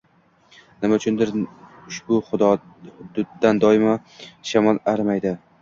Nima uchundir, ushbu hududdan doimo shamol arimaydi